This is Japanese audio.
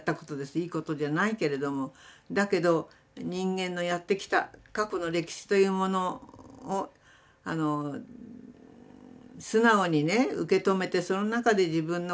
いいことじゃないけれどもだけど人間のやってきた過去の歴史というものを素直にね受け止めてその中で自分の考えというものを決めたいですよね。